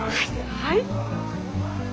はい。